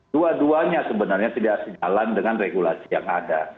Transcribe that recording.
dua duanya sebenarnya tidak sejalan dengan regulasi yang ada